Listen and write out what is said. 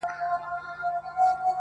تا هم لوښی د روغن دی چپه کړی؟-